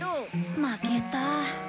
負けた。